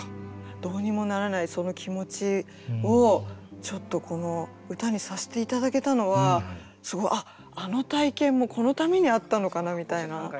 どうにもならないその気持ちをちょっとこの歌にさして頂けたのはすごいあっあの体験もこのためにあったのかなみたいな。